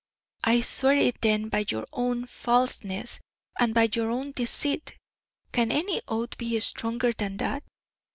"I swear it then by your own falseness, and by your own deceit; can any oath be stronger than that?